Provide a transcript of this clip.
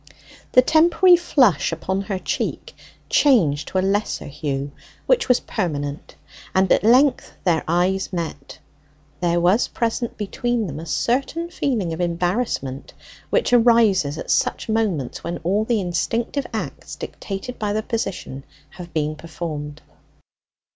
The temporary flush upon her cheek changed to a lesser hue, which was permanent, and at length their eyes met; there was present between them a certain feeling of embarrassment, which arises at such moments when all the instinctive acts dictated by the position have been performed.